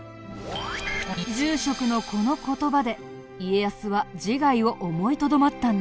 住職のこの言葉で家康は自害を思いとどまったんだね。